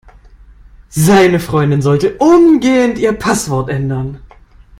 Seine Freundin sollte umgehend ihr Passwort ändern.